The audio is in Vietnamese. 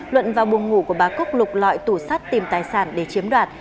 luận vào buồng ngủ của bà cúc lục loại tủ sát tìm tài sản để chiếm đoạt